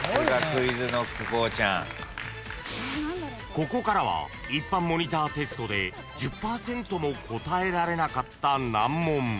［ここからは一般モニターテストで１０％も答えられなかった難問］